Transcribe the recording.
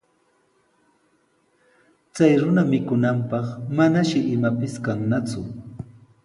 Chay runa mikunanpaq manashi imapis kannaku.